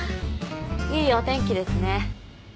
いいお天気ですね。